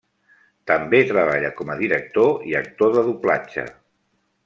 També treballa com a director i actor de doblatge.